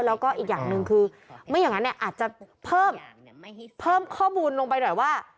แล้วก็อีกอย่างหนึ่งคือไม่อย่างนั้นอาจจะเพิ่มข้อมูลลงไปหน่อยว่า